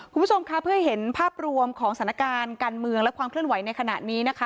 คุณผู้ชมค่ะเพื่อให้เห็นภาพรวมของสถานการณ์การเมืองและความเคลื่อนไหวในขณะนี้นะคะ